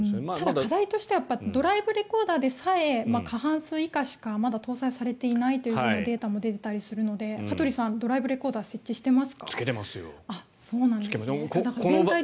課題としてはドライブレコーダーでさえ過半数以下しかまだ搭載されていないというデータも出ているので羽鳥さん、ドライブレコーダー設置してますか？